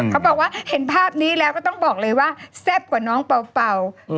เขาบอกว่าเห็นภาพนี้แล้วก็ต้องบอกเลยว่าแซ่บกว่าน้องเป่า